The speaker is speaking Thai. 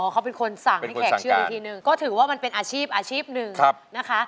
เขาเป็นคนสั่งให้แขกเชื่ออีกทีหนึ่งก็ถือว่ามันเป็นอาชีพอาชีพหนึ่งนะคะ